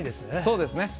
そうですね。